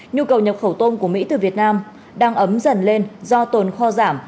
nhu cầu nhập khẩu tôm của mỹ từ việt nam đang ấm dần lên do tồn kho giảm